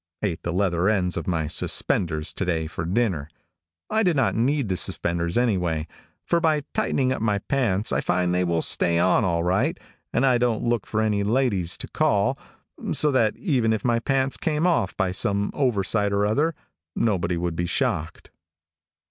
Ate the leather ends of my suspenders to day for dinner. I did not need the suspenders, anyway, for by tightening up my pants I find they will stay on all right, and I don't look for any ladies to call, so that even if my pants came off by some oversight or other, nobody would be shocked.